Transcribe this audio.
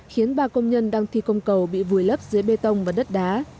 khiến ba công nhân đang thi công cầu bị vùi lấp dưới bê tông và đất đá